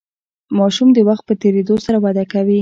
ماشوم د وخت په تیریدو سره وده کوي.